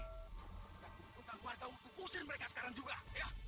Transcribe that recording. dan kumpulkan warga untuk pusing mereka sekarang juga ya